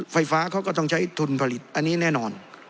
ไฟฟ้าเขาก็ต้องใช้ทุนผลิตอันนี้แน่นอน